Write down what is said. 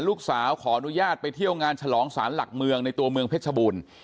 ขออนุญาตไปเที่ยวงานฉลองศาลหลักเมืองในตัวเมืองเพชรบูรณ์